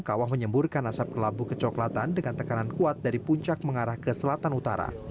kawah menyemburkan asap ke labu kecoklatan dengan tekanan kuat dari puncak mengarah ke selatan utara